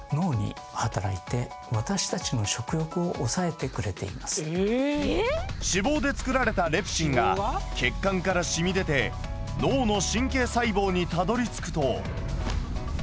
そこはなんと脂肪でつくられたレプチンが血管からしみ出て脳の神経細胞にたどりつくと。